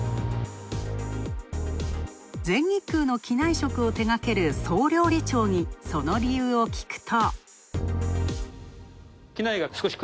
全日空の機内食を手がける総料理長にその理由を聞くと。